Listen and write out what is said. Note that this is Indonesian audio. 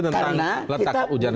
tentang letak ujian ujiannya